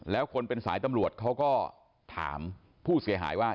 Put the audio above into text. แล้วคนเป็นสายตำรวจเขาก็ถามผู้เสียหายว่า